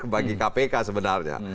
bagi kpk sebenarnya